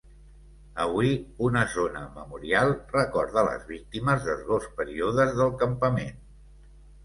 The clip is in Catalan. Avui, una zona memorial recorda les víctimes dels dos períodes del campament.